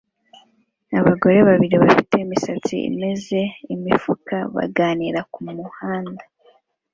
Abagore babiri bafite imisatsi imeze imifuka baganira kumuhanda